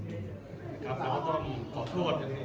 ก็ปรับความเข้าใจกันทุกอย่างไปเป็นอย่างนี้